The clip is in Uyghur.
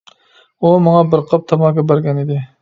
ئۇ ماڭا بىر قاپ تاماكا بەرگەن ئىدى.